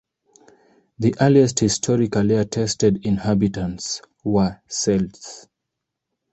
The earliest historically attested inhabitants were Celts.